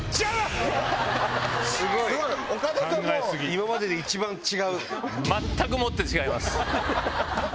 今までで一番違う。